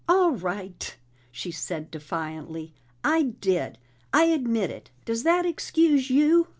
"All right," she said defiantly. "I did; I admit it. Does that excuse you?"